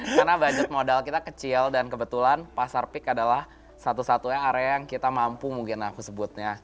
karena budget modal kita kecil dan kebetulan pasar pik adalah satu satunya area yang kita mampu mungkin aku sebutnya